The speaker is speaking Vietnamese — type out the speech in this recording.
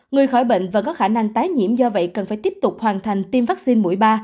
người khỏi bệnh và có khả năng tái nhiễm do vậy cần phải tiếp tục hoàn thành tiêm vaccine mũi ba